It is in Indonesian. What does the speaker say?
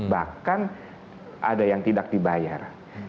bahkan ada yang tidak dibayar